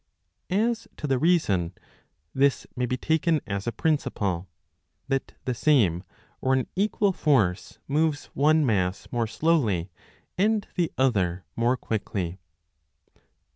As to the reason, this may be taken as a principle, that the same, or an equal force, moves one mass more slowly and the other more quickly.